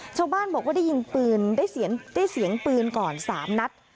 ชาวบ้านบอกว่าได้ยินปืนได้เสียงปืนก่อน๓นัด